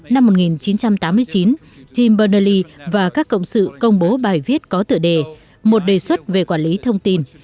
năm một nghìn chín trăm tám mươi chín tim bernally và các cộng sự công bố bài viết có tựa đề một đề xuất về quản lý thông tin